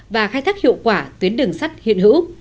và khai thác hiệu quả tuyến đường sắt hiện hữu